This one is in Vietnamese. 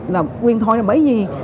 là huyền thội là bởi vì